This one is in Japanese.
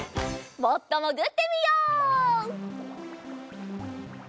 もっともぐってみよう。